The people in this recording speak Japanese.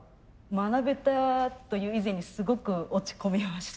学べたという以前にすごく落ち込みました。